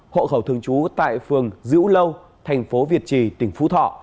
hộ khẩu thường trú tại phường dữ lâu thành phố việt trì tỉnh phú thọ